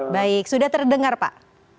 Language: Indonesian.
baik sudah terdengar pak